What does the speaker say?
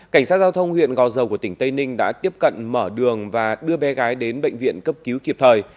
cảnh sát giao thông huyện gò dầu của tỉnh tây ninh đã tiếp cận mở đường và đưa bé gái đến bệnh viện cấp cứu kịp thời